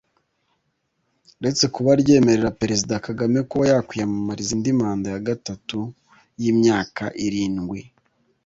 uretse kuba ryemerera Perezida Kagame kuba yakwiyamamariza indi manda ya gatatu y’imyaka irindwi